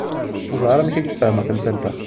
Ur ẓriɣ ara amek ara ak-d-sfehmeɣ tamsalt-a.